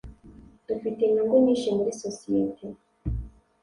Dufite inyungu nyinshi muri sosiyete.